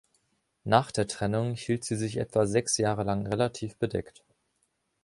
Nach der Trennung hielt sie sich etwa sechs Jahre lang relativ bedeckt.